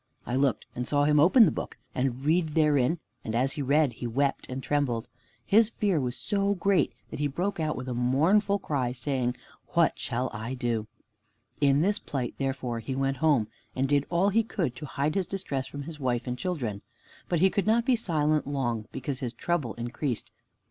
I looked, and saw him open the book, and read therein, and as he read, he wept and trembled. His fear was so great that he brake out with a mournful cry, saying, "What shall I do?" In this plight therefore he went home, and did all he could to hide his distress from his wife and children. But he could not be silent long, because his trouble increased.